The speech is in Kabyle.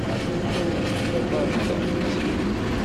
Kemm d tapandat.